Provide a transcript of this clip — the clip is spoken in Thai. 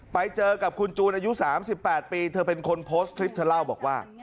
ไปเจอกับคุณจูนอายุ๓๘ปีเธอเป็นคนโพสต์คลิปเธอเล่าบอกว่า